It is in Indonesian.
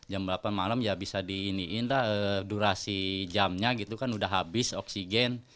jam berapa malam ya bisa di iniin dah durasi jamnya gitu kan udah habis oksigen